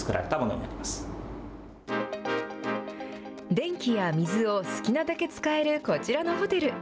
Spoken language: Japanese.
電気や水を好きなだけ使えるこちらのホテル。